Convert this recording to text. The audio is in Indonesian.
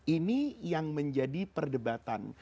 ini yang menjadi perdebatan